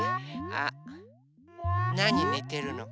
なにねてるの？